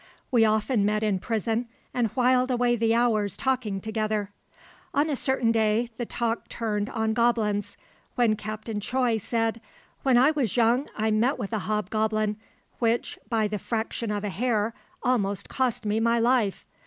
We often met in prison and whiled away the hours talking together. On a certain day the talk turned on goblins, when Captain Choi said, "When I was young I met with a hobgoblin, which, by the fraction of a hair, almost cost me my life.